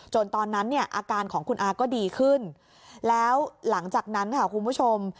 ตอนนั้นเนี่ยอาการของคุณอาก็ดีขึ้นแล้วหลังจากนั้นค่ะคุณผู้ชม